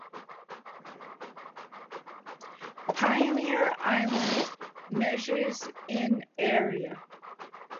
Pioneer island measures in area.